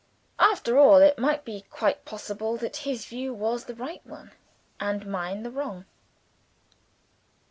After all, it might be quite possible that his view was the right one, and mine the wrong.